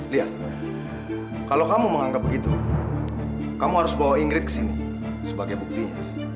lihat kalau kamu menganggap begitu kamu harus bawa ingrit ke sini sebagai buktinya